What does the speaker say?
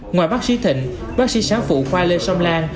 ngoài bác sĩ thịnh bác sĩ sáng phụ khoa lê sông lan